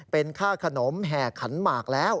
เป็นค่าขนมแห่ขันหมากแล้ว